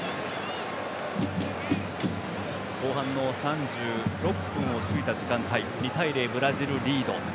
後半の３６分を過ぎた時間帯２対０、ブラジルリード。